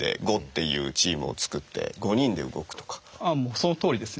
そのとおりですね。